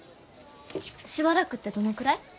しばらくってどのくらい？